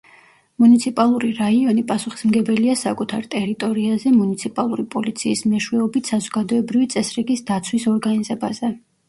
მუნიციპალური რაიონი პასუხისმგებელია საკუთარ ტერიტორიაზე მუნიციპალური პოლიციის მეშვეობით საზოგადოებრივი წესრიგის დაცვის ორგანიზებაზე.